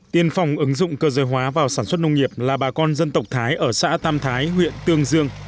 tiên phòng ứng dụng cơ giới hóa vào sản xuất nông nghiệp là bà con dân tộc thái ở xã tam thái huyện tương dương